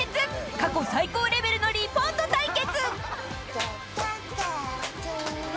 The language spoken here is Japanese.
過去最高レベルのリポート対決。